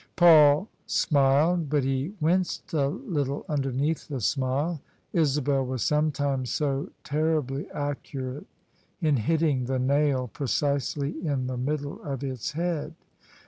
Paul smiled, but he winced a little underneath the smile. Isabel was sometimes so terribly accurate in hitting the nail precisely in the middle of its head.